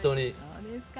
そうですか。